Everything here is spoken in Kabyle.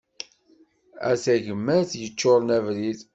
A tagmart yeččuren abrid.